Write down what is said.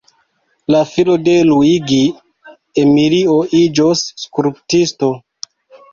La filo de Luigi, Emilio, iĝos skulptisto.